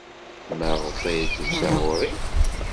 Maɣef ay d-tusa ɣer-i?